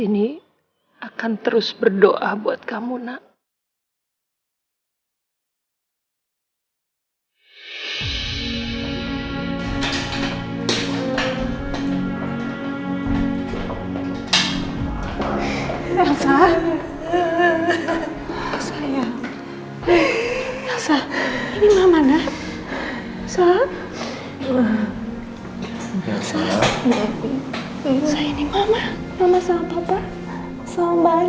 nama selama papa